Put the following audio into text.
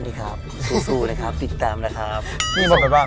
แล้วเกี่ยครับเลยแล้วก็ตอบช่วยผมด้วย